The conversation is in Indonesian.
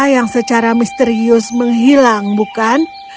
yang secara misterius menghilang bukan